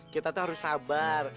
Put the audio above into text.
kita tuh harus sabar